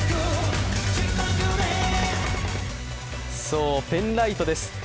そう、ペンライトです。